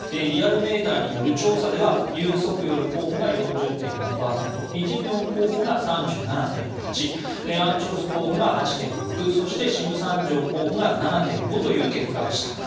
リアルメーターによる調査ではユン・ソクヨル候補が４０．４％イ・ジェミョン候補が３７．８アン・チョルス候補が８．６そしてシム・サンジョンが７．５という結果でした。